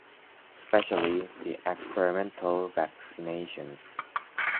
Specially the experimental vaccinations.